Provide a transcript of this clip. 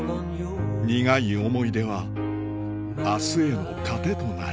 苦い思い出は明日への糧となる